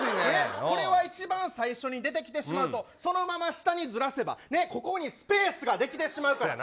これは一番最初に出てきてしまうと下にずらせばスペースができてしまうから。